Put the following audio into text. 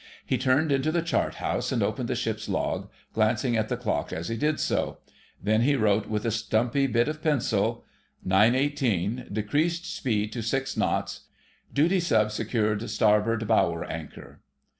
He turned into the chart house and opened the ship's log, glancing at the clock as he did so. Then he wrote with a stumpy bit of pencil— "9.18. Decreased speed to 6 knots. Duty Sub. secured starboard bower anchor."